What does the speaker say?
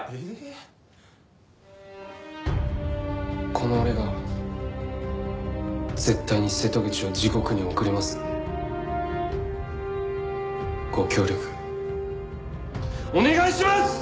この俺が絶対に瀬戸口を地獄に送りますんでご協力お願いします！